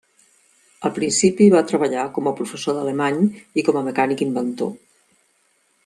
Al principi, va treballar com a professor d'alemany i com a mecànic inventor.